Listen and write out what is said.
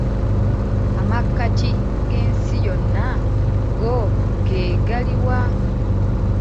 Amakkati g'ensi yonna go ge gali wa?